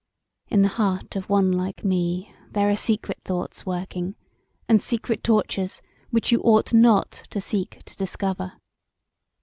In the heart of one like me there are secret thoughts working, and secret tortures which you ought not to seek to discover.